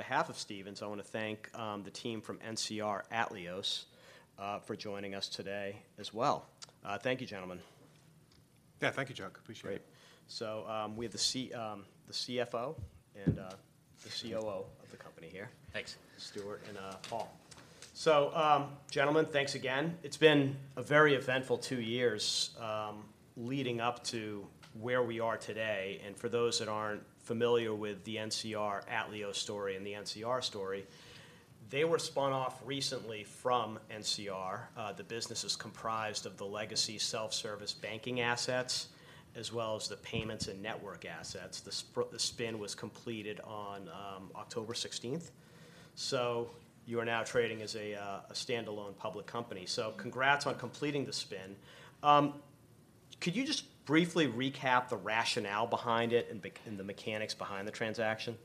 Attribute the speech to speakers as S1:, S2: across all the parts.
S1: On behalf of Stephens, I wanna thank the team from NCR Atleos for joining us today as well. Thank you, gentlemen.
S2: Yeah, thank you, Chuck. Appreciate it.
S1: Great. So, we have the CFO and the COO of the company here.
S3: Thanks.
S1: Stuart and Paul.
S3: So, gentlemen, thanks again. It's been a very eventful two years leading up to where we are today. And for those that aren't familiar with the NCR Atleos story and the NCR story, they were spun off recently from NCR. The business is comprised of the legacy self-service banking assets, as well as the payments and network assets. The spin was completed on October 16th, so you are now trading as a standalone public company. So congrats on completing the spin. Could you just briefly recap the rationale behind it and the mechanics behind the transaction?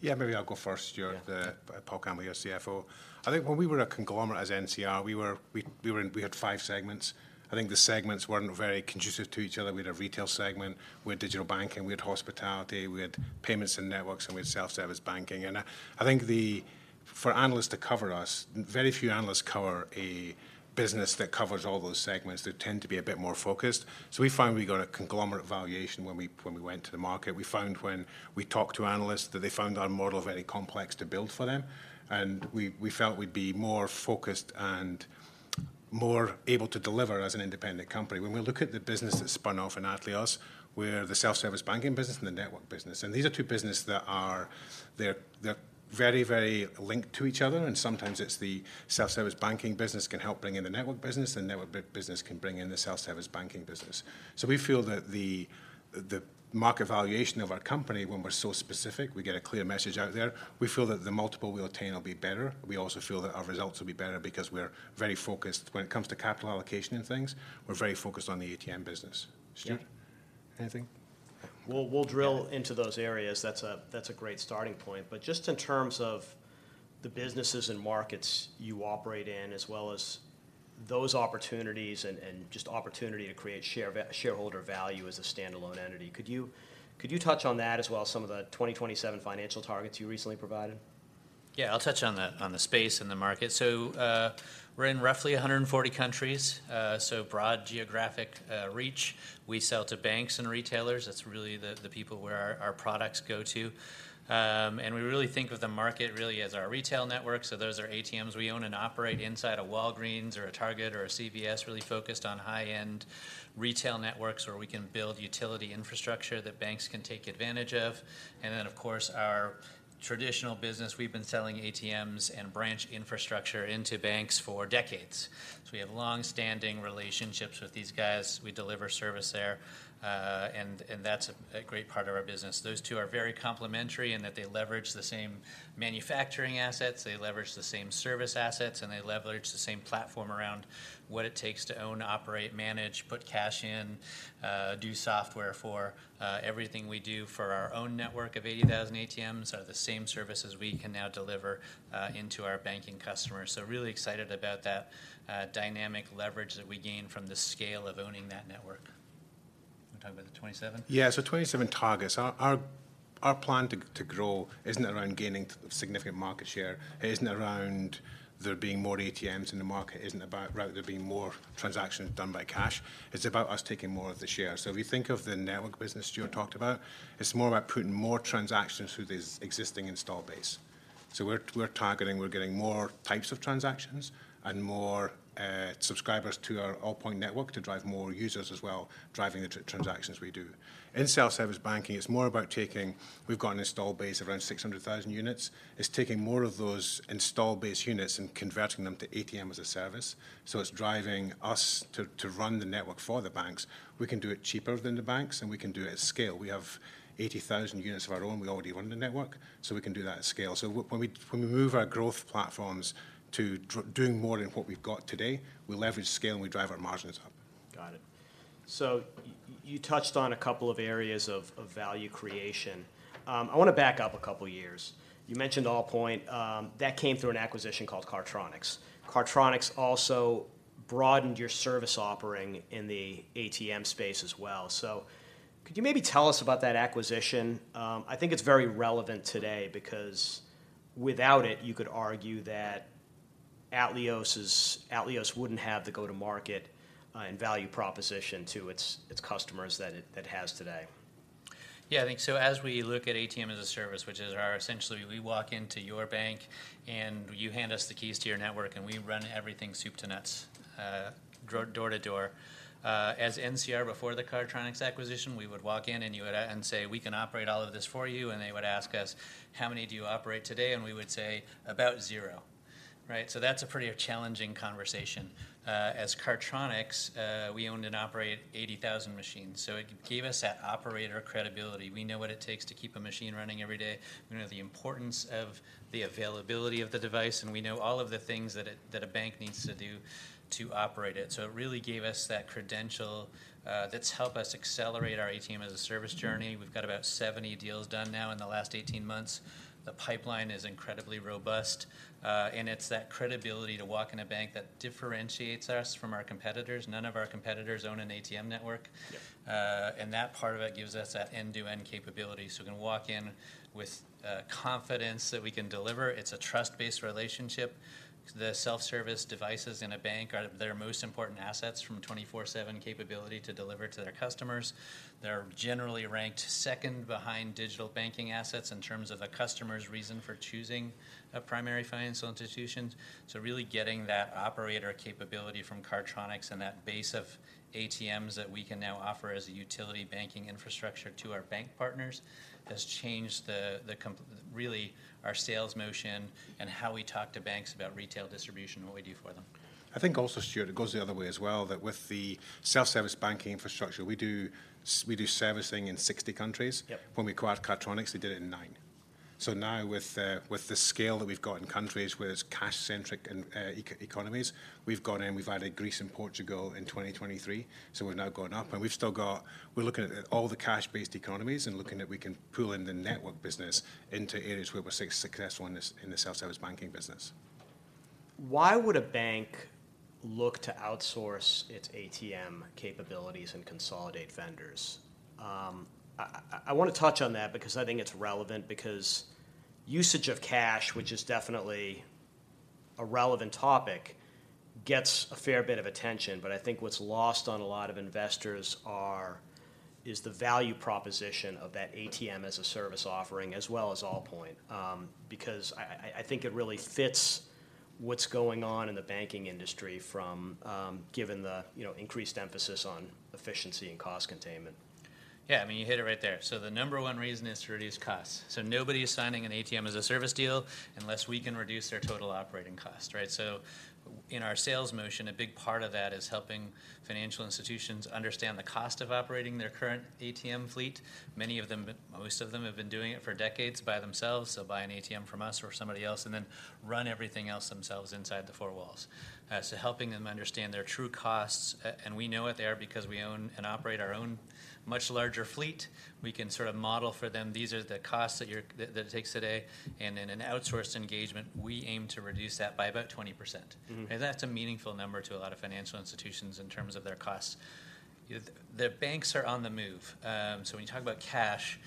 S2: Yeah, maybe I'll go first, Stuart.
S3: Yeah.
S2: Paul Campbell, your CFO. I think when we were a conglomerate as NCR, we had five segments. I think the segments weren't very conducive to each other. We had a retail segment, we had digital banking, we had hospitality, we had payments and networks, and we had self-service banking. And I think the for analysts to cover us, very few analysts cover a business that covers all those segments. They tend to be a bit more focused. So we found we got a conglomerate valuation when we went to the market. We found when we talked to analysts, that they found our model very complex to build for them, and we felt we'd be more focused and more able to deliver as an independent company. When we look at the business that spun off in Atleos, we're the self-service banking business and the network business, and these are two business that are they're very very linked to each other, and sometimes it's the self-service banking business can help bring in the network business, and network business can bring in the self-service banking business. So we feel that the market valuation of our company, when we're so specific, we get a clear message out there. We feel that the multiple we obtain will be better. We also feel that our results will be better because we're very focused when it comes to capital allocation and things, we're very focused on the ATM business.
S1: Yeah.
S2: Stuart, anything?
S1: We'll drill-
S3: Yeah...
S1: into those areas. That's a great starting point. But just in terms of the businesses and markets you operate in, as well as those opportunities and just opportunity to create shareholder value as a standalone entity, could you touch on that as well as some of the 2027 financial targets you recently provided?
S3: Yeah, I'll touch on the space and the market. So we're in roughly 140 countries, so broad geographic reach. We sell to banks and retailers. That's really the people where our products go to. And we really think of the market really as our retail network, so those are ATMs we own and operate inside a Walgreens or a Target or a CVS, really focused on high-end retail networks where we can build utility infrastructure that banks can take advantage of. And then, of course, our traditional business, we've been selling ATMs and branch infrastructure into banks for decades. So we have long-standing relationships with these guys. We deliver service there, and that's a great part of our business. Those two are very complementary in that they leverage the same manufacturing assets, they leverage the same service assets, and they leverage the same platform around what it takes to own, operate, manage, put cash in, do software for. Everything we do for our own network of 80,000 ATMs are the same services we can now deliver into our banking customers. So really excited about that, dynamic leverage that we gain from the scale of owning that network. You want to talk about the 2027?
S2: Yeah, so 2027 targets. Our plan to grow isn't around gaining significant market share. It isn't around there being more ATMs in the market, isn't about around there being more transactions done by cash. It's about us taking more of the share. So if you think of the network business Stuart talked about, it's more about putting more transactions through the existing install base. So we're targeting, we're getting more types of transactions and more subscribers to our Allpoint network to drive more users as well, driving the transactions we do. In self-service banking, it's more about taking... We've got an install base of around 600,000 units. It's taking more of those install base units and converting them to ATM as a service, so it's driving us to run the network for the banks. We can do it cheaper than the banks, and we can do it at scale. We have 80,000 units of our own. We already run the network, so we can do that at scale. So when we move our growth platforms to doing more than what we've got today, we leverage scale, and we drive our margins up.
S1: Got it. So you touched on a couple of areas of value creation. I wanna back up a couple of years. You mentioned Allpoint. That came through an acquisition called Cardtronics. Cardtronics also broadened your service offering in the ATM space as well. So could you maybe tell us about that acquisition? I think it's very relevant today because without it, you could argue that Atleos wouldn't have the go-to-market and value proposition to its customers that it has today.
S3: Yeah, I think so as we look at ATM as a Service, which is our... essentially, we walk into your bank, and you hand us the keys to your network, and we run everything soup to nuts, door to door. As NCR, before the Cardtronics acquisition, we would walk in, and you would and say: "We can operate all of this for you." And they would ask us: "How many do you operate today?" And we would say: "About 0."... Right, so that's a pretty challenging conversation. As Cardtronics, we owned and operated 80,000 machines, so it gave us that operator credibility. We know what it takes to keep a machine running every day. We know the importance of the availability of the device, and we know all of the things that a bank needs to do to operate it. So it really gave us that credential, that's helped us accelerate our ATM as a service journey. We've got about 70 deals done now in the last 18 months. The pipeline is incredibly robust, and it's that credibility to walk in a bank that differentiates us from our competitors. None of our competitors own an ATM network.
S2: Yep.
S3: And that part of it gives us that end-to-end capability, so we can walk in with confidence that we can deliver. It's a trust-based relationship. The self-service devices in a bank are their most important assets from a 24/7 capability to deliver to their customers. They're generally ranked second behind digital banking assets in terms of a customer's reason for choosing a primary financial institution. So really getting that operator capability from Cardtronics and that base of ATMs that we can now offer as a Utility Banking Infrastructure to our bank partners has changed, really, our sales motion and how we talk to banks about retail distribution and what we do for them.
S2: I think also, Stuart, it goes the other way as well, that with the self-service banking infrastructure, we do servicing in 60 countries.
S3: Yep.
S2: When we acquired Cardtronics, they did it in nine. So now with the scale that we've got in countries where it's cash-centric and economies, we've gone in, we've added Greece and Portugal in 2023. So we've now gone up, and we've still got.. We're looking at all the cash-based economies and looking if we can pull in the network business into areas where we're successful in this, in the self-service banking business.
S1: Why would a bank look to outsource its ATM capabilities and consolidate vendors? I wanna touch on that because I think it's relevant because usage of cash, which is definitely a relevant topic, gets a fair bit of attention. But I think what's lost on a lot of investors is the value proposition of that ATM-as-a-service offering, as well as Allpoint. Because I think it really fits what's going on in the banking industry given the, you know, increased emphasis on efficiency and cost containment.
S3: Yeah, I mean, you hit it right there. So the number 1 reason is to reduce costs. So nobody is signing an ATM-as-a-service deal unless we can reduce their total operating cost, right? So in our sales motion, a big part of that is helping financial institutions understand the cost of operating their current ATM fleet. Many of them, most of them, have been doing it for decades by themselves. They'll buy an ATM from us or somebody else and then run everything else themselves inside the four walls. So helping them understand their true costs, and we know what they are because we own and operate our own much larger fleet. We can sort of model for them, "These are the costs that it takes today," and in an outsourced engagement, we aim to reduce that by about 20%.
S1: Mm-hmm.
S3: And that's a meaningful number to a lot of financial institutions in terms of their costs. The banks are on the move. So when you talk about cash,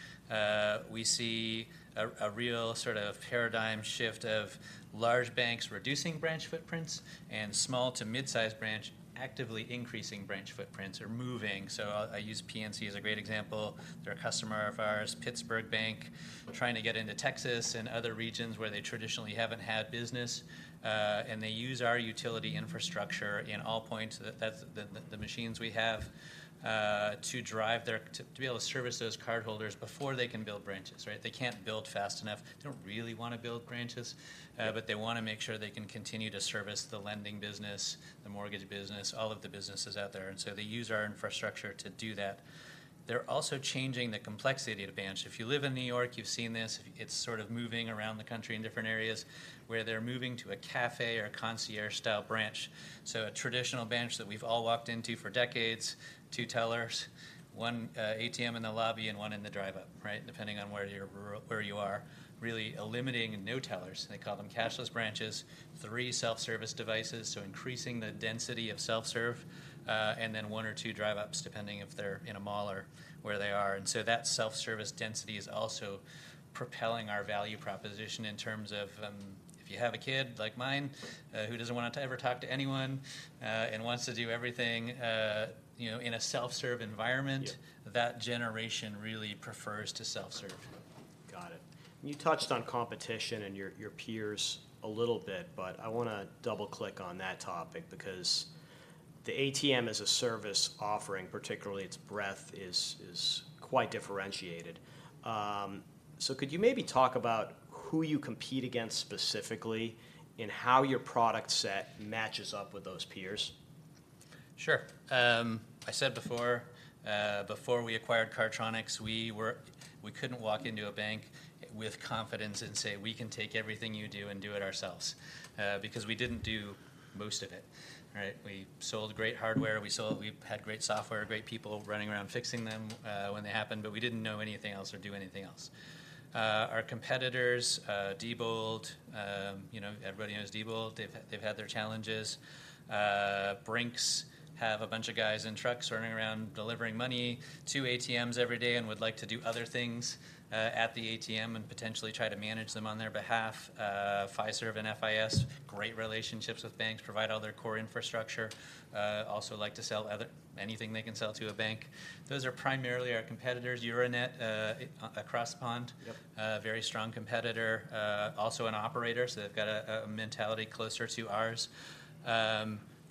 S3: we see a real sort of paradigm shift of large banks reducing branch footprints and small to mid-sized banks actively increasing branch footprints or moving. So I use PNC as a great example. They're a customer of ours, Pittsburgh bank. We're trying to get into Texas and other regions where they traditionally haven't had business, and they use our utility infrastructure in Allpoint. So that's the machines we have to be able to service those cardholders before they can build branches, right? They can't build fast enough. They don't really wanna build branches, but they wanna make sure they can continue to service the lending business, the mortgage business, all of the businesses out there, and so they use our infrastructure to do that. They're also changing the complexity of the branch. If you live in New York, you've seen this. It's sort of moving around the country in different areas, where they're moving to a café or a concierge-style branch. So a traditional branch that we've all walked into for decades, two tellers, one ATM in the lobby, and one in the drive-up, right? Depending on where you are. Really eliminating no tellers, and they call them cashless branches, three self-service devices, so increasing the density of self-serve, and then one or two drive-ups, depending if they're in a mall or where they are. And so that self-service density is also propelling our value proposition in terms of, if you have a kid like mine, who doesn't want to ever talk to anyone, and wants to do everything, you know, in a self-serve environment-
S1: Yeah...
S3: that generation really prefers to self-serve.
S1: Got it. You touched on competition and your peers a little bit, but I wanna double-click on that topic because the ATM-as-a-service offering, particularly its breadth, is quite differentiated. So could you maybe talk about who you compete against specifically, and how your product set matches up with those peers?
S3: Sure. I said before, before we acquired Cardtronics, we were, we couldn't walk into a bank with confidence and say: "We can take everything you do and do it ourselves," because we didn't do most of it, right? We sold great hardware. We sold. We had great software, great people running around fixing them, when they happened, but we didn't know anything else or do anything else. Our competitors, Diebold, you know, everybody knows Diebold. They've had, they've had their challenges. Brinks have a bunch of guys in trucks running around delivering money to ATMs every day and would like to do other things at the ATM and potentially try to manage them on their behalf. Fiserv and FIS, great relationships with banks, provide all their core infrastructure, also like to sell other anything they can sell to a bank. Those are primarily our competitors. Euronet, across the pond-
S1: Yep...
S3: very strong competitor, also an operator, so they've got a mentality closer to ours.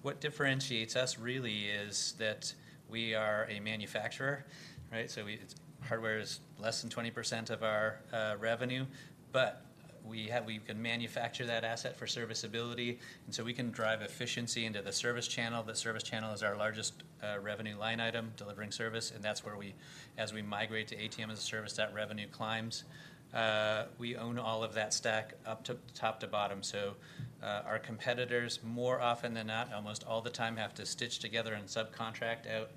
S3: What differentiates us really is that we are a manufacturer, right? Our hardware is less than 20% of our revenue, but we can manufacture that asset for serviceability, and so we can drive efficiency into the service channel. The service channel is our largest revenue line item, delivering service, and that's where we, as we migrate to ATM as a service, that revenue climbs. We own all of that stack from top to bottom. So, our competitors, more often than not, almost all the time, have to stitch together and subcontract out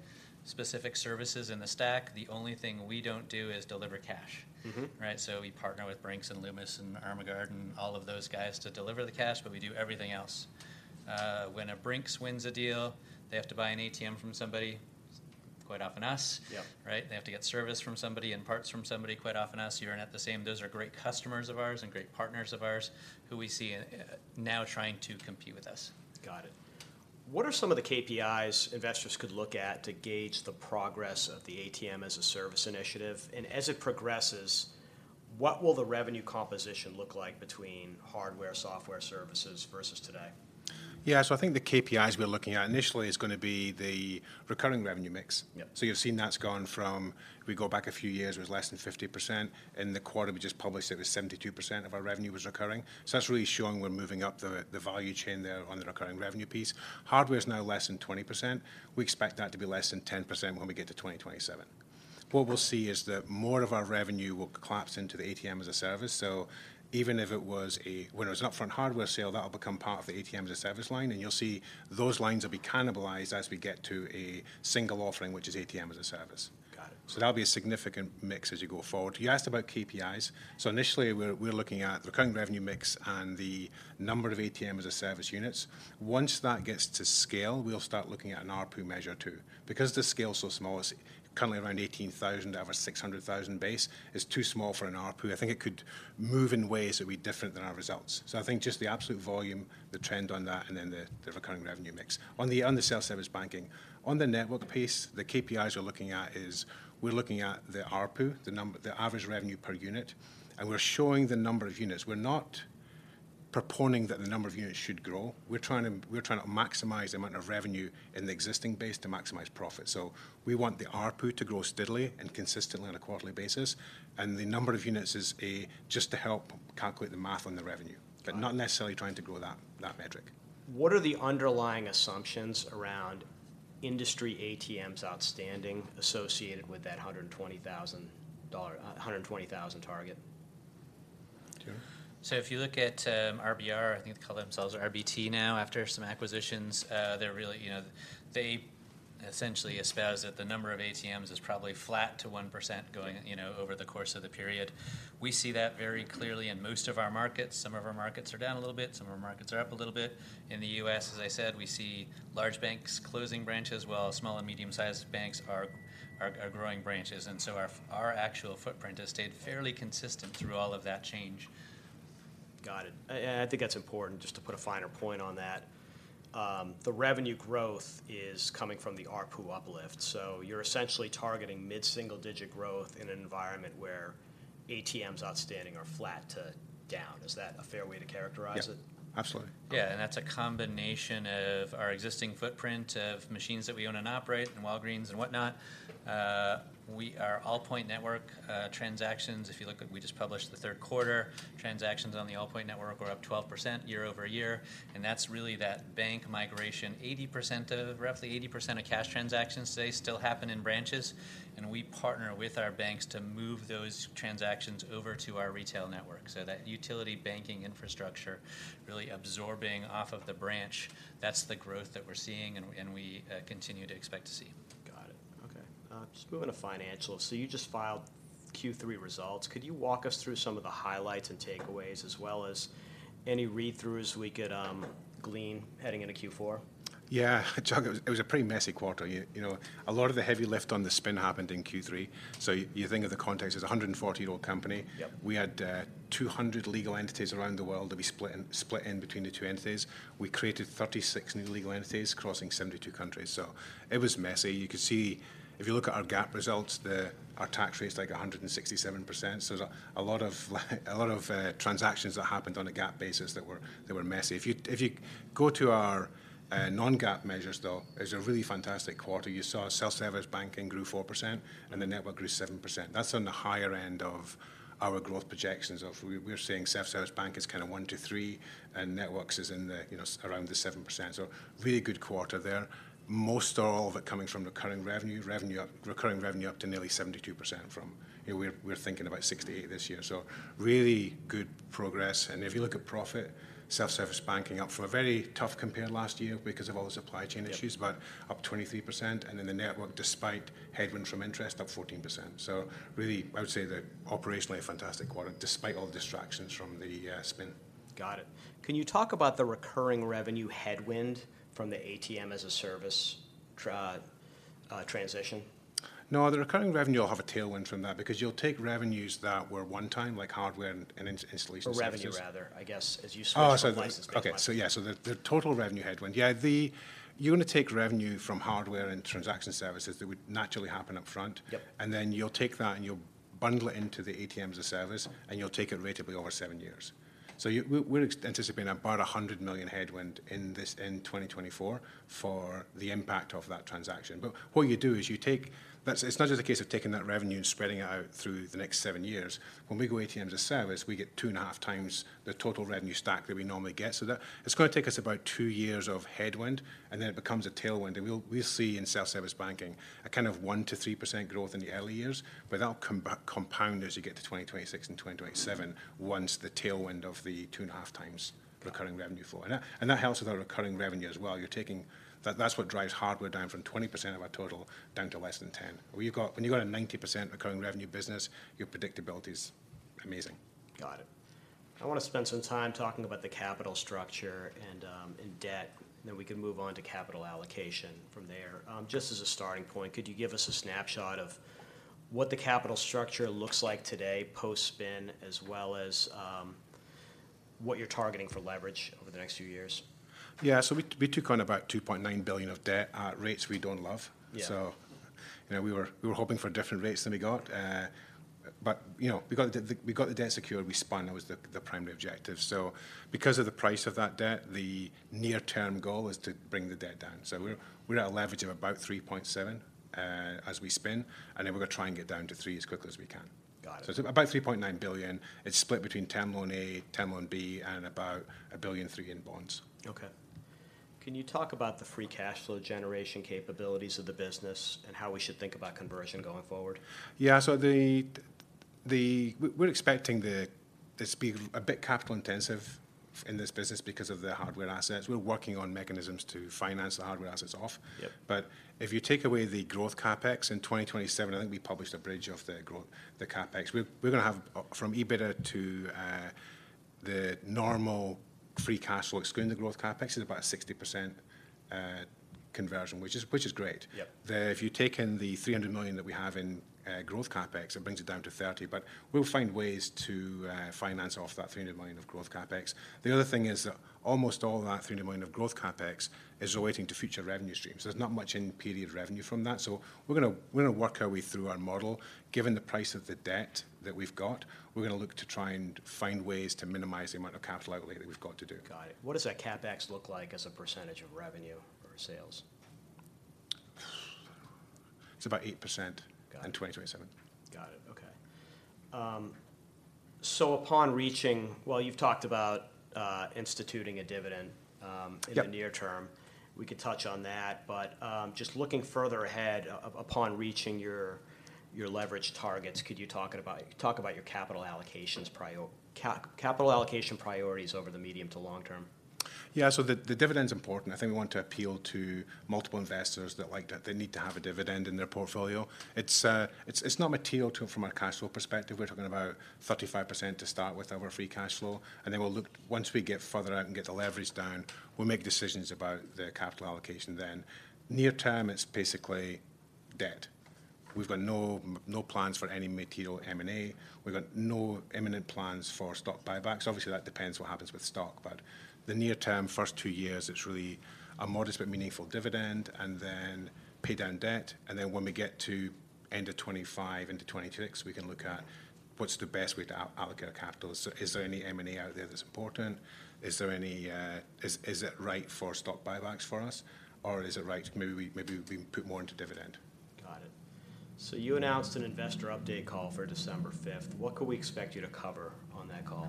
S3: specific services in the stack. The only thing we don't do is deliver cash.
S1: Mm-hmm.
S3: Right? So we partner with Brinks and Loomis and Armaguard and all of those guys to deliver the cash, but we do everything else. When a Brinks wins a deal, they have to buy an ATM from somebody, quite often us.
S1: Yeah.
S3: Right? They have to get service from somebody and parts from somebody, quite often us, Euronet the same. Those are great customers of ours and great partners of ours, who we see, now trying to compete with us.
S1: Got it. What are some of the KPIs investors could look at to gauge the progress of the ATM as a service initiative? As it progresses, what will the revenue composition look like between hardware, software, services versus today?
S2: Yeah, so I think the KPIs we're looking at initially is gonna be the recurring revenue mix.
S1: Yeah.
S2: So you've seen that's gone from, if we go back a few years, it was less than 50%. In the quarter we just published, it was 72% of our revenue was recurring. So that's really showing we're moving up the, the value chain there on the recurring revenue piece. Hardware is now less than 20%. We expect that to be less than 10% when we get to 2027. What we'll see is that more of our revenue will collapse into the ATM as a Service. So even if it was a- when it was an upfront hardware sale, that'll become part of the ATM as a Service line, and you'll see those lines will be cannibalized as we get to a single offering, which is ATM as a Service.
S1: Got it.
S2: So that'll be a significant mix as you go forward. You asked about KPIs. So initially, we're, we're looking at recurring revenue mix and the number of ATM as a service units. Once that gets to scale, we'll start looking at an ARPU measure, too. Because the scale is so small, it's currently around 18,000 out of a 600,000 base, is too small for an ARPU. I think it could move in ways that'd be different than our results. So I think just the absolute volume, the trend on that, and then the, the recurring revenue mix. On the, on the self-service banking, on the network piece, the KPIs we're looking at is, we're looking at the ARPU, the average revenue per unit, and we're showing the number of units. We're not proposing that the number of units should grow. We're trying to maximize the amount of revenue in the existing base to maximize profit. So we want the ARPU to grow steadily and consistently on a quarterly basis, and the number of units is just to help calculate the math on the revenue-
S1: Got it.
S2: But not necessarily trying to grow that metric.
S1: What are the underlying assumptions around industry ATMs outstanding associated with that $120,000, $120,000 target?
S2: Jim?
S3: So if you look at RBR, I think they call themselves RBT now, after some acquisitions, they're really, you know. They essentially espouse that the number of ATMs is probably flat to 1% going, you know, over the course of the period. We see that very clearly in most of our markets. Some of our markets are down a little bit, some of our markets are up a little bit. In the U.S., as I said, we see large banks closing branches, while small and medium-sized banks are growing branches. And so our actual footprint has stayed fairly consistent through all of that change.
S1: Got it. I think that's important, just to put a finer point on that. The revenue growth is coming from the ARPU uplift, so you're essentially targeting mid-single-digit growth in an environment where ATMs outstanding are flat to down. Is that a fair way to characterize it?
S2: Yeah. Absolutely.
S3: Yeah, and that's a combination of our existing footprint of machines that we own and operate in Walgreens and whatnot. We are Allpoint network transactions. If you look at, we just published the third quarter, transactions on the Allpoint network were up 12% year-over-year, and that's really that bank migration. Roughly 80% of cash transactions today still happen in branches, and we partner with our banks to move those transactions over to our retail network. So that utility banking infrastructure really absorbing off of the branch, that's the growth that we're seeing and we continue to expect to see.
S1: Got it. Okay, just moving to financials. So you just filed Q3 results. Could you walk us through some of the highlights and takeaways, as well as any read-throughs we could glean heading into Q4?
S2: Yeah, Chuck, it was a pretty messy quarter. You know, a lot of the heavy lift on the spin happened in Q3. So you think of the context, it's a 140-year-old company.
S1: Yep.
S2: We had 200 legal entities around the world that we split in between the two entities. We created 36 new legal entities crossing 72 countries, so it was messy. You could see, if you look at our GAAP results, our tax rate is, like, 167%. So there's a lot of transactions that happened on a GAAP basis that were messy. If you go to our non-GAAP measures, though, it's a really fantastic quarter. You saw self-service banking grew 4%, and the network grew 7%. That's on the higher end of our growth projections of... We're seeing self-service bank as kind of 1%-3%, and networks is in the, you know, around the 7%, so really good quarter there. Most all of it coming from recurring revenue, revenue up—recurring revenue up to nearly 72% from, you know, we're, we're thinking about 68% this year, so really good progress. And if you look at profit, self-service banking up from a very tough compare last year because of all the supply chain issues-
S1: Yep...
S2: but up 23%, and then the network, despite headwind from interest, up 14%. So really, I would say that operationally, a fantastic quarter, despite all the distractions from the spin.
S1: Got it. Can you talk about the recurring revenue headwind from the ATM as a Service, transition?
S2: No, the recurring revenue will have a tailwind from that, because you'll take revenues that were one-time, like hardware and installation services.
S1: Or revenue rather, I guess, as you switch to license-
S2: Oh, so the total revenue headwind. Yeah, the... You're going to take revenue from hardware and transaction services that would naturally happen upfront.
S1: Yep.
S2: And then you'll take that, and you'll bundle it into the ATMs-as-a-Service, and you'll take it ratably over 7 years. So we are expecting about $100 million headwind in this, in 2024 for the impact of that transaction. But what you do is you take. That's not just a case of taking that revenue and spreading it out through the next 7 years. When we go ATMs-as-a-Service, we get 2.5x the total revenue stack that we normally get. So it's going to take us about 2 years of headwind, and then it becomes a tailwind. We'll see in self-service banking a kind of 1%-3% growth in the early years, but that'll compound as you get to 2026 and 2027.
S1: Mm-hmm
S2: -once the tailwind of the 2.5x-
S1: Yeah
S2: Recurring revenue flow. And that, and that helps with our recurring revenue as well. You're taking... That, that's what drives hardware down from 20% of our total, down to less than 10. When you've got, when you've got a 90% recurring revenue business, your predictability is amazing.
S1: Got it. I want to spend some time talking about the capital structure and, and debt, then we can move on to capital allocation from there. Just as a starting point, could you give us a snapshot of what the capital structure looks like today, post-spin, as well as, what you're targeting for leverage over the next few years?
S2: Yeah. We took on about $2.9 billion of debt at rates we don't love.
S1: Yeah.
S2: So, you know, we were hoping for different rates than we got. But, you know, we got the debt secured, we spun. That was the primary objective. So because of the price of that debt, the near-term goal is to bring the debt down. So we're at a leverage of about 3.7 as we spin, and then we're going to try and get down to 3 as quickly as we can.
S1: Got it.
S2: About $3.9 billion. It's split between Term Loan A, Term Loan B, and about $1.3 billion in bonds.
S1: Okay. Can you talk about the free cash flow generation capabilities of the business and how we should think about conversion going forward?
S2: Yeah. We're expecting this to be a bit capital-intensive in this business because of the hardware assets. We're working on mechanisms to finance the hardware assets off.
S1: Yep.
S2: But if you take away the growth CapEx in 2027, I think we published a bridge of the growth, the CapEx. We're going to have from EBITDA to the normal free cash flow, excluding the growth CapEx, is about a 60% conversion, which is great.
S1: Yep.
S2: If you take in the $300 million that we have in growth CapEx, it brings it down to $30 million. But we'll find ways to finance off that $300 million of growth CapEx. The other thing is that almost all of that $300 million of growth CapEx is relating to future revenue streams. There's not much in period revenue from that. So we're going to, we're going to work our way through our model. Given the price of the debt that we've got, we're going to look to try and find ways to minimize the amount of capital outlay that we've got to do.
S1: Got it. What does that CapEx look like as a percentage of revenue or sales?
S2: It's about 8%-
S1: Got it....
S2: in 2027.
S1: Got it. Okay. So upon reaching... Well, you've talked about instituting a dividend.
S2: Yep...
S1: in the near term. We could touch on that, but, just looking further ahead, upon reaching your leverage targets, could you talk about your capital allocation priorities over the medium to long term?
S2: Yeah. So the dividend's important. I think we want to appeal to multiple investors that like that. They need to have a dividend in their portfolio. It's, it's not material to, from a cash flow perspective. We're talking about 35% to start with, of our free cash flow, and then we'll look once we get further out and get the leverage down, we'll make decisions about the capital allocation then. Near term, it's basically debt. We've got no plans for any material M&A. We've got no imminent plans for stock buybacks. Obviously, that depends what happens with stock, but the near term, first two years, it's really a modest but meaningful dividend, and then pay down debt, and then when we get to end of 2025 into 2026, we can look at what's the best way to allocate our capital. So is there any M&A out there that's important? Is it right for stock buybacks for us, or is it right, maybe we put more into dividend?
S1: Got it. So you announced an investor update call for December 5th. What could we expect you to cover on that call?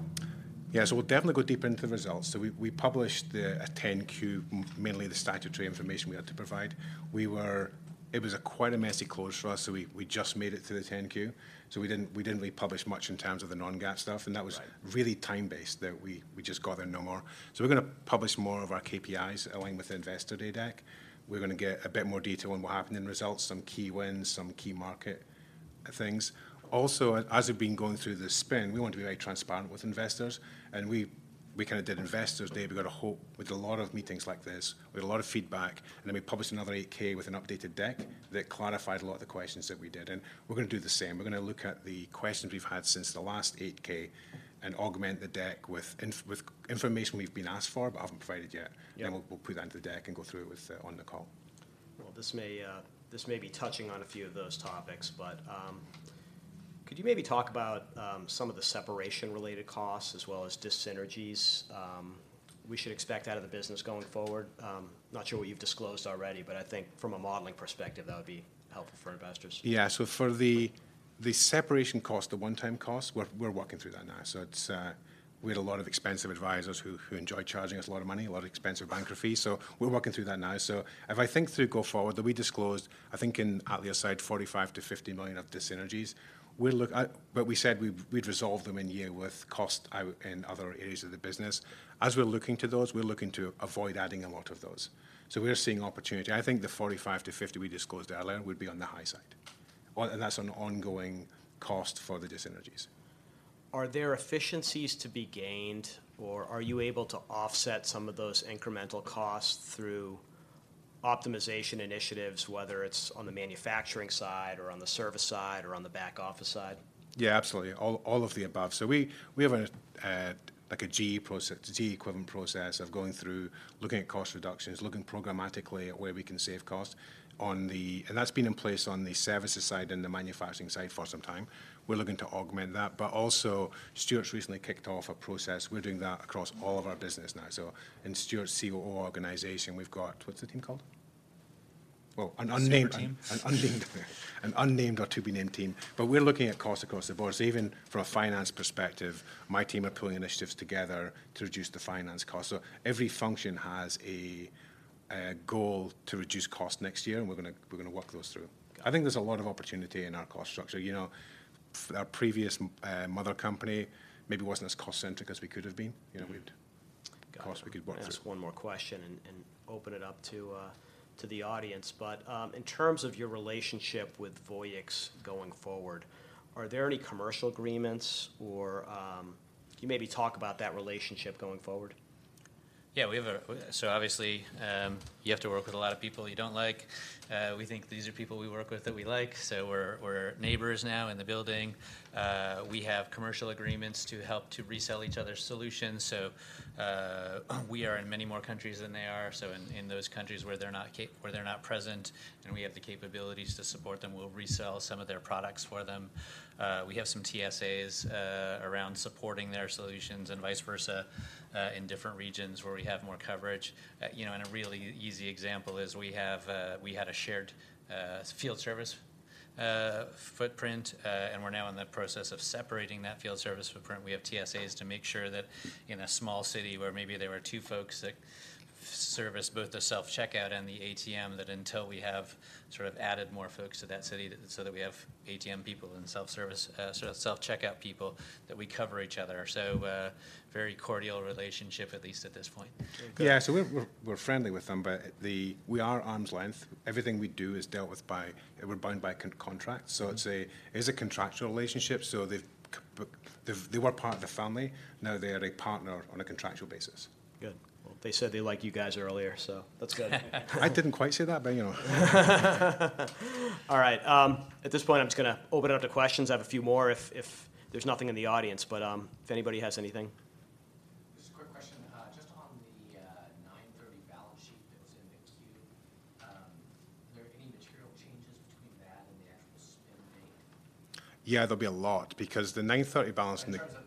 S2: Yeah, so we'll definitely go deeper into the results. So we published a 10-Q, mainly the statutory information we had to provide. We were... It was quite a messy close for us, so we just made it to the 10-Q. So we didn't really publish much in terms of the non-GAAP stuff-
S1: Right...
S2: and that was really time-based, that we, we just got there no more. So we're going to publish more of our KPIs along with the investor day deck. We're going to get a bit more detail on what happened in results, some key wins, some key market things. Also, as we've been going through the spin, we want to be very transparent with investors, and we, we kind of did investors day. We had a lot of meetings like this. We had a lot of feedback, and then we published another 8-K with an updated deck that clarified a lot of the questions that we did, and we're going to do the same. We're going to look at the questions we've had since the last 8-K and augment the deck with information we've been asked for, but haven't provided yet.
S1: Yep.
S2: Then we'll put that into the deck and go through it with, on the call.
S1: Well, this may be touching on a few of those topics, but, could you maybe talk about, some of the separation-related costs as well as dis-synergies, we should expect out of the business going forward? Not sure what you've disclosed already, but I think from a modeling perspective, that would be helpful for investors.
S2: Yeah. So for the separation cost, the one-time cost, we're working through that now. So it's... We had a lot of expensive advisors who enjoy charging us a lot of money, a lot of expensive banker fees, so we're working through that now. So if I think through go forward, that we disclosed, I think in the 8-K, $45 million-$50 million of dis-synergies. We'll look at—but we said we'd resolve them in year one with cost out in other areas of the business. As we're looking to those, we're looking to avoid adding a lot of those. So we're seeing opportunity. I think the $45 million-$50 million we disclosed earlier would be on the high side, and that's an ongoing cost for the dis-synergies....
S1: Are there efficiencies to be gained, or are you able to offset some of those incremental costs through optimization initiatives, whether it's on the manufacturing side, or on the service side, or on the back office side?
S2: Yeah, absolutely. All, all of the above. So we, we have an, like a GE process—a GE equivalent process of going through, looking at cost reductions, looking programmatically at where we can save costs on the... And that's been in place on the services side and the manufacturing side for some time. We're looking to augment that, but also, Stuart's recently kicked off a process. We're doing that across all of our business now. So in Stuart's COO organization, we've got... What's the team called? Oh, an unnamed team.
S3: Separate team.
S2: An unnamed or to-be-named team. But we're looking at costs across the board. So even from a finance perspective, my team are pulling initiatives together to reduce the finance cost. So every function has a goal to reduce cost next year, and we're gonna work those through. I think there's a lot of opportunity in our cost structure. You know, our previous mother company maybe wasn't as cost-centric as we could have been. You know, we've-
S1: Got it.
S2: Costs we could work through.
S1: I'll ask one more question, and, and open it up to, to the audience. But, in terms of your relationship with Voyix going forward, are there any commercial agreements, or, can you maybe talk about that relationship going forward?
S3: Yeah, so obviously, you have to work with a lot of people you don't like. We think these are people we work with that we like, so we're neighbors now in the building. We have commercial agreements to help to resell each other's solutions, so we are in many more countries than they are. So in those countries where they're not present, and we have the capabilities to support them, we'll resell some of their products for them. We have some TSAs around supporting their solutions and vice versa, in different regions where we have more coverage. You know, and a really easy example is we had a shared field service footprint, and we're now in the process of separating that field service footprint. We have TSAs to make sure that in a small city where maybe there were two folks that service both the self-checkout and the ATM, that until we have sort of added more folks to that city, so that we have ATM people and self-service, sort of self-checkout people, that we cover each other. So, very cordial relationship, at least at this point.
S2: Yeah, so we're friendly with them, but the... We are arm's length. Everything we do is dealt with. We're bound by contract.
S3: Mm-hmm.
S2: So it's a contractual relationship, so they were part of the family. Now they are a partner on a contractual basis.
S1: Good. Well, they said they like you guys earlier, so that's good.
S2: I didn't quite say that, but you know.
S1: All right, at this point, I'm just gonna open it up to questions. I have a few more if there's nothing in the audience, but if anybody has anything.
S4: Just a quick question. Just on the 9/30 balance sheet that's in the 10-Q, are there any material changes between that and the actual spin date?
S2: Yeah, there'll be a lot, because the 9:30 balance in the-
S4: In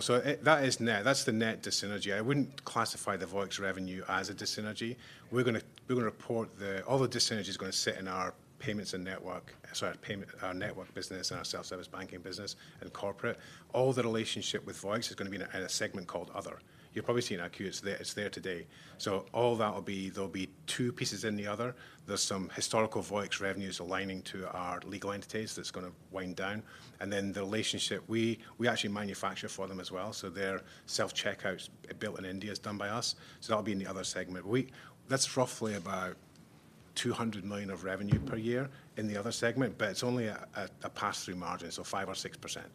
S2: so that is net. That's the net dis-synergy. I wouldn't classify the Voyix revenue as a dis-synergy.
S4: Okay.
S2: We're gonna report the... All the dis-synergy is gonna sit in our payments and network, sorry, our payment, our network business and our self-service banking business and corporate. All the relationship with Voyix is gonna be in a, in a segment called Other. You'll probably see in our Q, it's there, it's there today.
S4: Got it.
S2: So all that will be—there'll be two pieces in the Other. There's some historical Voyix revenues aligning to our legal entities that's gonna wind down, and then the relationship, we, we actually manufacture for them as well. So their self-checkouts built in India is done by us, so that'll be in the other segment. We—that's roughly about $200 million of revenue per year—
S4: Mm-hmm...
S2: in the Other segment, but it's only a pass-through margin, so 5% or 6%.
S4: Okay.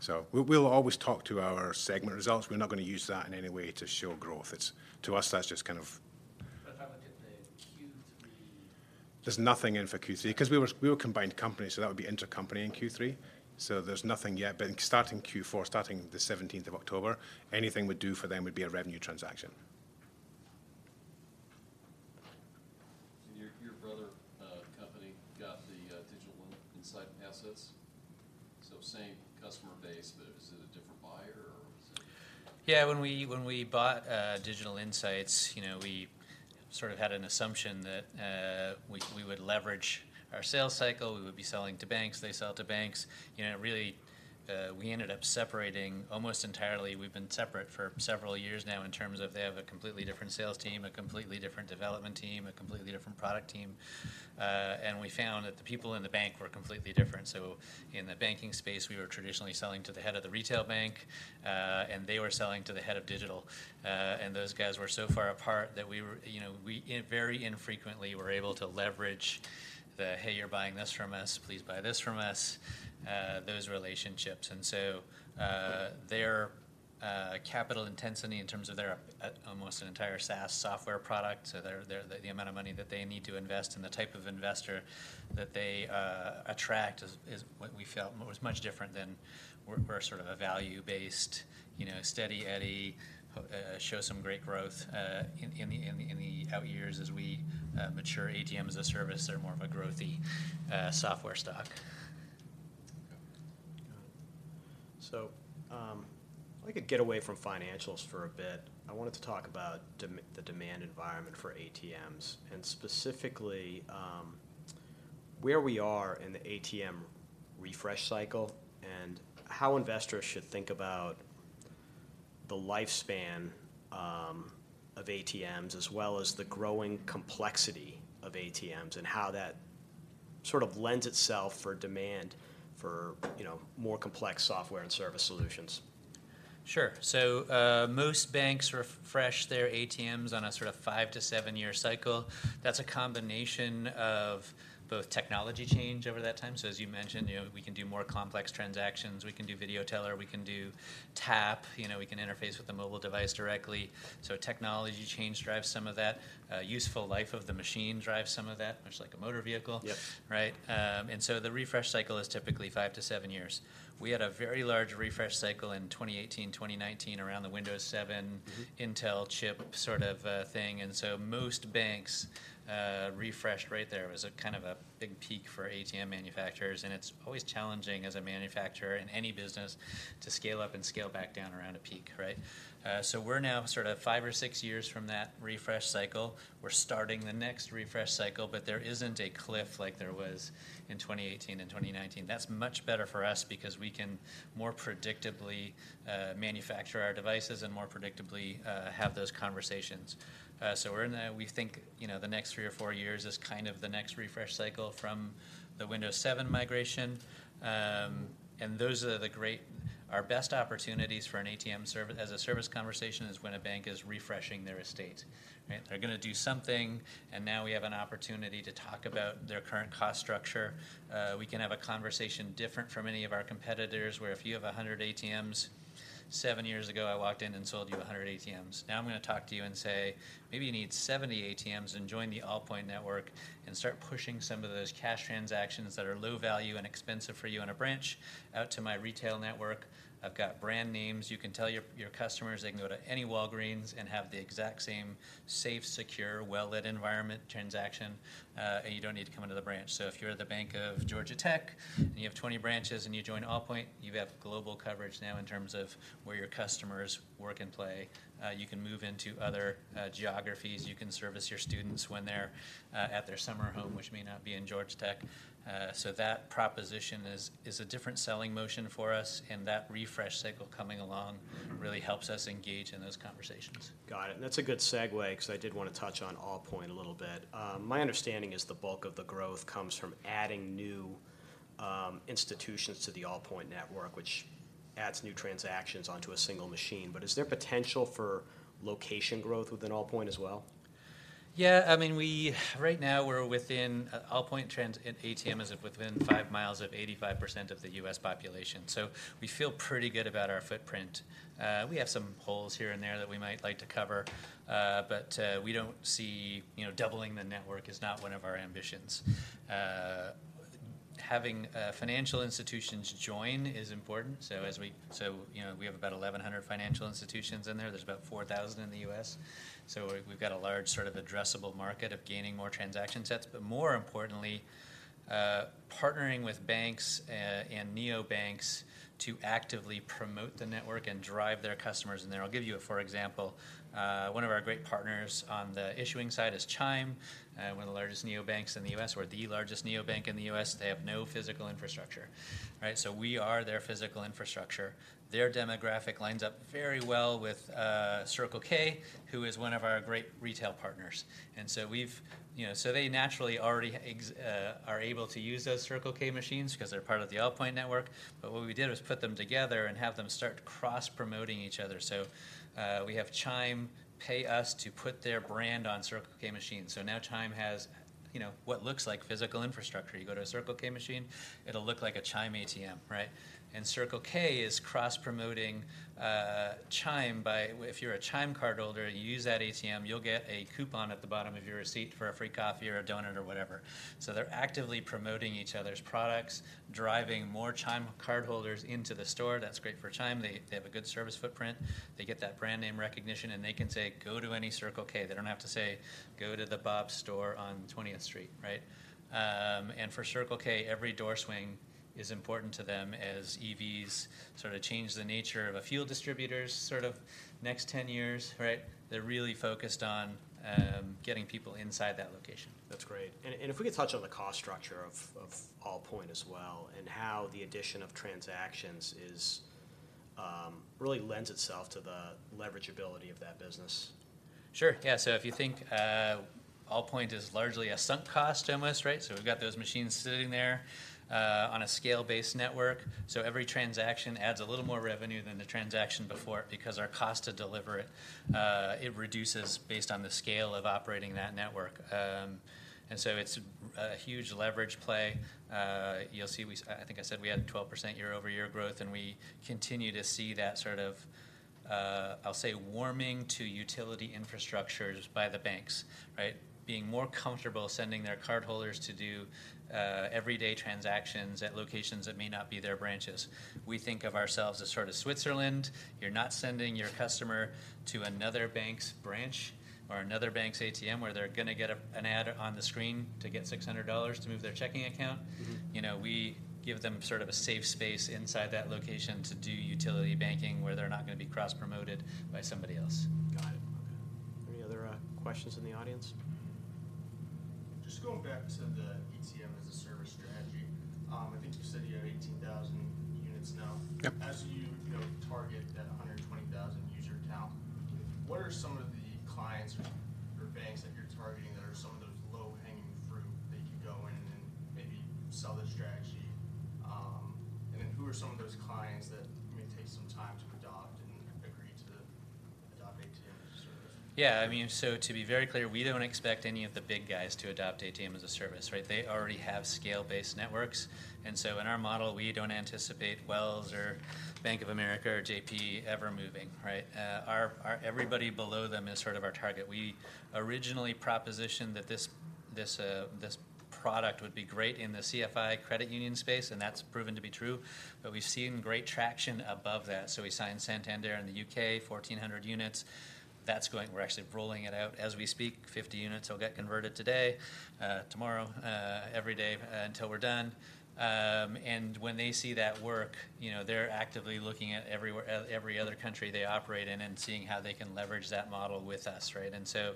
S2: So we, we'll always talk to our segment results. We're not gonna use that in any way to show growth. It's to us, that's just kind of-
S4: But if I look at the Q3-
S2: There's nothing in for Q3, because we were a combined company, so that would be intercompany in Q3. So there's nothing yet, but starting in Q4, starting the seventeenth of October, anything we do for them would be a revenue transaction.
S5: Your brother company got the Digital Insight assets? So same customer base, but is it a different buyer, or is it-
S3: Yeah, when we, when we bought Digital Insight, you know, we sort of had an assumption that we, we would leverage our sales cycle, we would be selling to banks, they sell to banks. You know, really, we ended up separating almost entirely. We've been separate for several years now in terms of they have a completely different sales team, a completely different development team, a completely different product team, and we found that the people in the bank were completely different. So in the banking space, we were traditionally selling to the head of the retail bank, and they were selling to the head of digital. And those guys were so far apart that we were, you know, we very infrequently were able to leverage the, "Hey, you're buying this from us, please buy this from us," those relationships. So, their capital intensity in terms of their almost an entire SaaS software product, so the amount of money that they need to invest and the type of investor that they attract is what we felt was much different than we're sort of a value-based, you know, steady Eddie, show some great growth in the out years as we mature ATM as a Service. They're more of a growthy software stock.
S1: So, if I could get away from financials for a bit, I wanted to talk about the demand environment for ATMs, and specifically, where we are in the ATM refresh cycle, and how investors should think about the lifespan of ATMs, as well as the growing complexity of ATMs, and how that sort of lends itself for demand for, you know, more complex software and service solutions.
S3: Sure. So, most banks refresh their ATMs on a sort of 5-7-year cycle. That's a combination of both technology change over that time, so as you mentioned, you know, we can do more complex transactions, we can do video teller, we can do tap, you know, we can interface with a mobile device directly. So technology change drives some of that. Useful life of the machine drives some of that, much like a motor vehicle.
S1: Yep.
S3: Right? And so the refresh cycle is typically 5-7 years. We had a very large refresh cycle in 2018, 2019 around the Windows 7-
S1: Mm-hmm...
S3: Intel chip sort of thing, and so most banks refreshed right there. It was a kind of a big peak for ATM manufacturers, and it's always challenging as a manufacturer in any business to scale up and scale back down around a peak, right? So we're now sort of 5 or 6 years from that refresh cycle. We're starting the next refresh cycle, but there isn't a cliff like there was in 2018 and 2019. That's much better for us because we can more predictably manufacture our devices and more predictably have those conversations. So we're in the—we think, you know, the next 3 or 4 years is kind of the next refresh cycle from the Windows 7 migration. And those are our best opportunities for an ATM as-a-service conversation is when a bank is refreshing their estate, right? They're gonna do something, and now we have an opportunity to talk about their current cost structure. We can have a conversation different from any of our competitors, where if you have 100 ATMs, 7 years ago, I walked in and sold you 100 ATMs. Now, I'm gonna talk to you and say, "Maybe you need 70 ATMs, and join the Allpoint network and start pushing some of those cash transactions that are low value and expensive for you on a branch out to my retail network. I've got brand names. You can tell your customers they can go to any Walgreens and have the exact same safe, secure, well-lit environment transaction, and you don't need to come into the branch." So if you're the Bank of Georgia Tech, and you have 20 branches, and you join Allpoint, you have global coverage now in terms of where your customers work and play. You can move into other geographies. You can service your students when they're at their summer home, which may not be in Georgia Tech. So that proposition is a different selling motion for us, and that refresh cycle coming along really helps us engage in those conversations.
S1: Got it, and that's a good segue, because I did wanna touch on Allpoint a little bit. My understanding is the bulk of the growth comes from adding new institutions to the Allpoint network, which adds new transactions onto a single machine, but is there potential for location growth within Allpoint as well?
S3: Yeah, I mean, right now, we're within, Allpoint ATM is within 5 miles of 85% of the U.S. population. So we feel pretty good about our footprint. We have some holes here and there that we might like to cover, but, we don't see—you know, doubling the network is not one of our ambitions. Having financial institutions join is important, so as we—So you know, we have about 1,100 financial institutions in there. There's about 4,000 in the U.S. So we've got a large sort of addressable market of gaining more transaction sets, but more importantly, partnering with banks and neobanks to actively promote the network and drive their customers in there. I'll give you a for example. One of our great partners on the issuing side is Chime, one of the largest neobanks in the U.S. or the largest neobank in the U.S. They have no physical infrastructure, right? So we are their physical infrastructure. Their demographic lines up very well with Circle K, who is one of our great retail partners. And so we've, you know, so they naturally already are able to use those Circle K machines because they're part of the Allpoint network, but what we did was put them together and have them start cross-promoting each other. So, we have Chime pay us to put their brand on Circle K machines. So now Chime has, you know, what looks like physical infrastructure. You go to a Circle K machine, it'll look like a Chime ATM, right? Circle K is cross-promoting, uh, Chime by—if you're a Chime cardholder, and you use that ATM, you'll get a coupon at the bottom of your receipt for a free coffee or a donut or whatever. So they're actively promoting each other's products, driving more Chime cardholders into the store. That's great for Chime. They have a good service footprint. They get that brand name recognition, and they can say, "Go to any Circle K." They don't have to say, "Go to the Bob's store on 20th Street," right? And for Circle K, every door swing is important to them as EVs sort of change the nature of a fuel distributor's sort of next ten years, right? They're really focused on getting people inside that location.
S1: That's great. And if we could touch on the cost structure of Allpoint as well, and how the addition of transactions is really lends itself to the leverageability of that business.
S3: Sure. Yeah, so if you think, Allpoint is largely a sunk cost almost, right? So we've got those machines sitting there, on a scale-based network, so every transaction adds a little more revenue than the transaction before it because our cost to deliver it, it reduces based on the scale of operating that network. And so it's a huge leverage play. You'll see, we, I think I said we had 12% year-over-year growth, and we continue to see that sort of, I'll say, warming to utility infrastructures by the banks, right? Being more comfortable sending their cardholders to do, everyday transactions at locations that may not be their branches. We think of ourselves as sort of Switzerland. You're not sending your customer to another bank's branch or another bank's ATM, where they're gonna get an ad on the screen to get $600 to move their checking account.
S1: Mm-hmm.
S3: You know, we give them sort of a safe space inside that location to do utility banking, where they're not gonna be cross-promoted by somebody else.
S1: Got it... Any other questions in the audience?
S5: Just going back to the ATM as a Service strategy, I think you said you have 18,000 units now.
S3: Yep.
S5: As you, you know, target that 120,000 user count, what are some of the clients or banks that you're targeting that are some of those low-hanging fruit that you go in and maybe sell the strategy? And then who are some of those clients that may take some time to adopt and agree to adopt ATM as a Service?
S3: Yeah, I mean, so to be very clear, we don't expect any of the big guys to adopt ATM as a Service, right? They already have scale-based networks, and so in our model, we don't anticipate Wells or Bank of America or JP ever moving, right? Our, everybody below them is sort of our target. We originally propositioned that this, this, this product would be great in the CFI credit union space, and that's proven to be true, but we've seen great traction above that. So we signed Santander in the U.K., 1,400 units. That's going. We're actually rolling it out as we speak. 50 units will get converted today, tomorrow, every day, until we're done. And when they see that work, you know, they're actively looking at every other country they operate in and seeing how they can leverage that model with us, right? And so,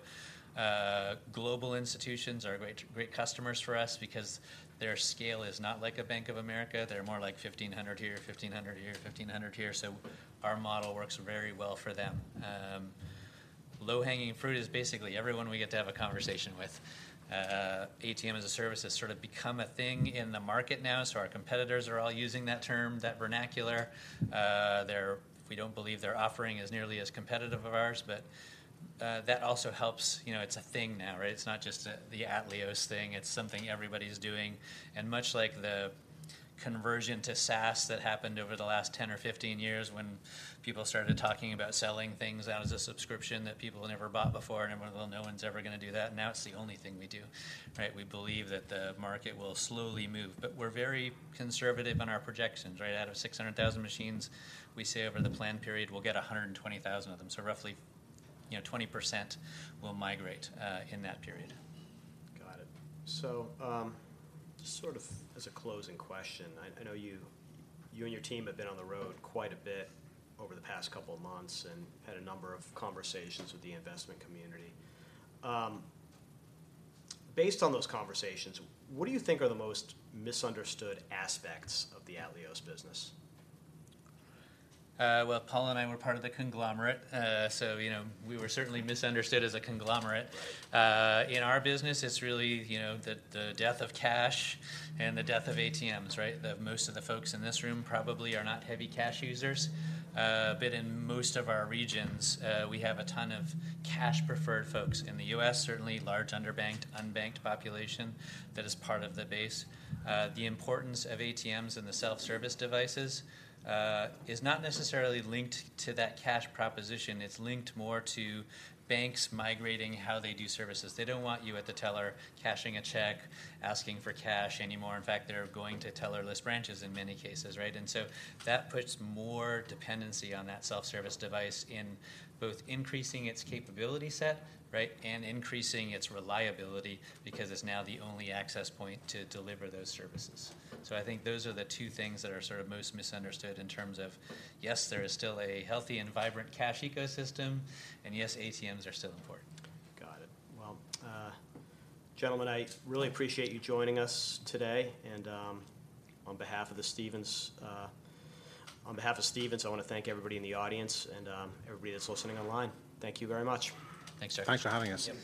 S3: global institutions are great, great customers for us because their scale is not like a Bank of America. They're more like 1,500 here, 1,500 here, 1,500 here, so our model works very well for them. Low-hanging fruit is basically everyone we get to have a conversation with. ATM as a service has sort of become a thing in the market now, so our competitors are all using that term, that vernacular. Their, we don't believe their offering is nearly as competitive of ours, but, that also helps. You know, it's a thing now, right? It's not just the Atleos thing. It's something everybody's doing. Much like the conversion to SaaS that happened over the last 10 or 15 years when people started talking about selling things, that was a subscription that people never bought before, and everyone, "Well, no one's ever gonna do that," and now it's the only thing we do, right? We believe that the market will slowly move, but we're very conservative on our projections, right? Out of 600,000 machines, we say over the plan period, we'll get 120,000 of them. So roughly, you know, 20% will migrate in that period.
S1: Got it. So, just sort of as a closing question, I know you and your team have been on the road quite a bit over the past couple of months and had a number of conversations with the investment community. Based on those conversations, what do you think are the most misunderstood aspects of the Atleos business?
S3: Well, Paul and I were part of the conglomerate. So, you know, we were certainly misunderstood as a conglomerate.
S1: Right.
S3: In our business, it's really, you know, the death of cash and the death of ATMs, right? Most of the folks in this room probably are not heavy cash users, but in most of our regions, we have a ton of cash-preferred folks. In the U.S., certainly large underbanked, unbanked population that is part of the base. The importance of ATMs and the self-service devices is not necessarily linked to that cash proposition. It's linked more to banks migrating how they do services. They don't want you at the teller cashing a check, asking for cash anymore. In fact, they're going to teller-less branches in many cases, right? And so that puts more dependency on that self-service device in both increasing its capability set, right, and increasing its reliability because it's now the only access point to deliver those services. I think those are the two things that are sort of most misunderstood in terms of, yes, there is still a healthy and vibrant cash ecosystem, and yes, ATMs are still important.
S1: Got it. Well, gentlemen, I really appreciate you joining us today, and on behalf of Stephens, on behalf of Stephens, I wanna thank everybody in the audience and everybody that's listening online. Thank you very much.
S3: Thanks, Jeff.
S2: Thanks for having us.
S1: Yep.